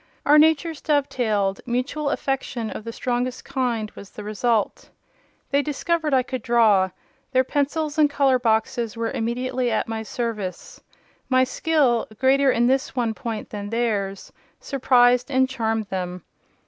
Our natures dovetailed: mutual affection—of the strongest kind—was the result. They discovered I could draw: their pencils and colour boxes were immediately at my service. My skill, greater in this one point than theirs, surprised and charmed them.